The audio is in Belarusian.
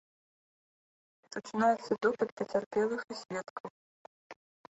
Пачынаецца допыт пацярпелых і сведкаў.